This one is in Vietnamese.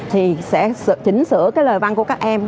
thì sẽ chỉnh sửa cái lời văn của các em